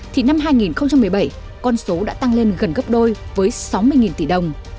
thì năm hai nghìn một mươi bảy con số đã tăng lên gần gấp đôi với sáu mươi tỷ đồng